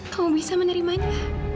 kamu bisa menerimanya